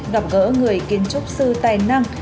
gặp gỡ người kiến trúc sư tài năng